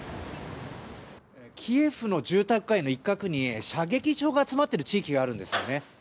キエフの住宅街の一角に射撃場が集まっている地域があるんですよね。